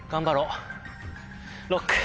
ＬＯＣＫ。